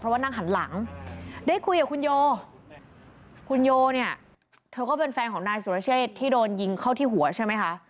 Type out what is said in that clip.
ว่านั่งหันหลังได้คุยกับคุณโยคุณโยเนี่ยเธอก็เป็นแฟนของนายสุรเชษที่โดนยิงเข้าที่หัวใช่ไหมคะ